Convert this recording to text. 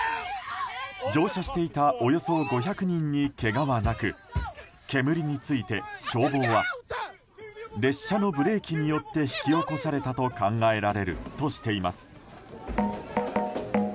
乗車していたおよそ５００人にけがはなく煙について消防は列車のブレーキによって引き起こされたと考えられるとしています。